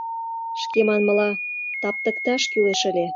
Шке манмыла, таптыкташ кӱлеш ыле.